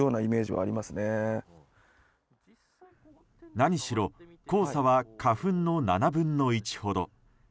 何しろ黄砂は花粉の７分の１ほど。